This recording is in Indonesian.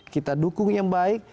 kita dukung yang baik